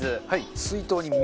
水筒に水。